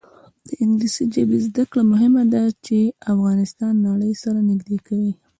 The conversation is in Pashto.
د انګلیسي ژبې زده کړه مهمه ده ځکه چې افغانستان نړۍ سره نږدې کوي.